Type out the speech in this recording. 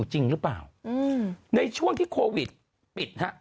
หรือเปล่าในช่วงที่โควิดปิด